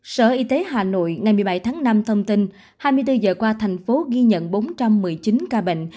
sở y tế hà nội ngày một mươi bảy tháng năm thông tin hai mươi bốn giờ qua thành phố ghi nhận bốn trăm một mươi chín ca bệnh